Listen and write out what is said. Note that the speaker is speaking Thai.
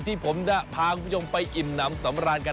ที่ผมจะพาคุณผู้ชมไปอิ่มน้ำสำราญกัน